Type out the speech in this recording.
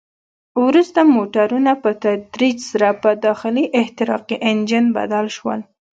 وروسته موټرونه په تدریج سره په داخلي احتراقي انجن بدل شول.